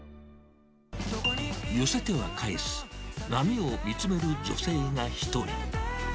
寄せては返す波を見つめる女性が一人。